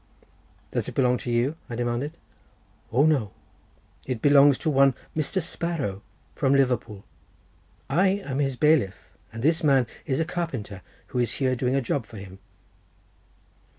"Does it belong to you?" I demanded. "O no, it belongs to one Mr. Sparrow from Liverpool. I am his bailiff, and this man is a carpenter who is here doing a job for him."